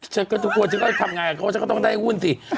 เชฟทุกคนฉันก็ธังไงกับเขาเขาต้องได้หุ้นสิ